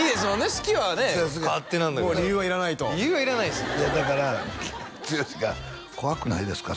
好きはね勝手なんだからもう理由はいらないと理由はいらないですいやだから剛が「怖くないですか？